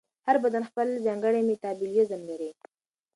هر بدن خپل ځانګړی میتابولیزم لري.